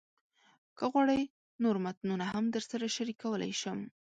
که غواړئ، نور متنونه هم درسره شریکولی شم.